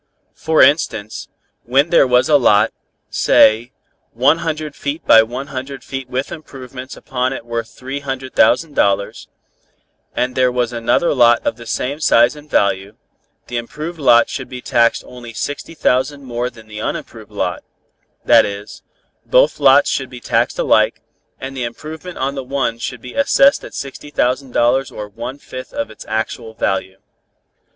For instance, when there was a lot, say, one hundred feet by one hundred feet with improvements upon it worth three hundred thousand dollars, and there was another lot of the same size and value, the improved lot should be taxed only sixty thousand more than the unimproved lot; that is, both lots should be taxed alike, and the improvement on the one should be assessed at sixty thousand dollars or one fifth of its actual value.